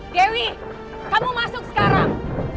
dewi kamu masuk sekarang